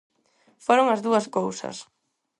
Foron as dúas cousas.